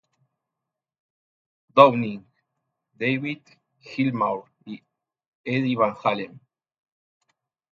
Downing, David Gilmour y Eddie Van Halen.